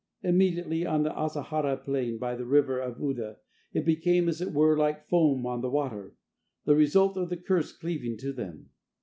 Immediately, on the Asahara plain by the river of Uda, it became as it were like foam on the water, the result of the curse cleaving to them.